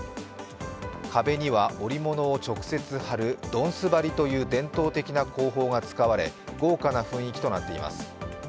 壁には織物を直接貼るどんす張りという伝統的な工法が使われ豪華な雰囲気となっています。